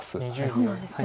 そうなんですね。